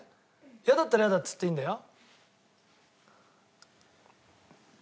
イヤだったらイヤだっつっていいんだよ。